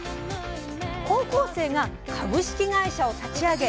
高校生が株式会社を立ち上げ